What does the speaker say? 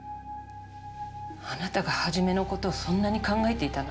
あなたが元の事をそんなに考えていたなんて。